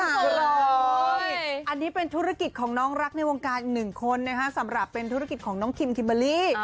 อันนี้เป็นธุรกิจของน้องรักในวงการอีกหนึ่งคนนะคะสำหรับเป็นธุรกิจของน้องคิมคิมเบอร์รี่